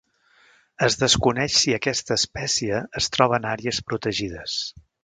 Es desconeix si aquesta espècie es troba en àrees protegides.